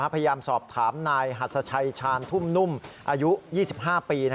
พยายามสอบถามนายหัสชัยชาญทุ่มนุ่มอายุ๒๕ปี